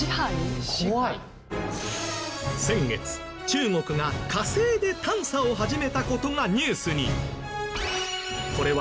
先月中国が火星で探査を始めた事がニュースに。